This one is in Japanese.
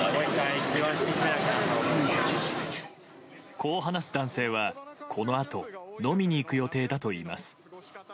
こう話す男性は、このあと飲みに行く予定だといいます。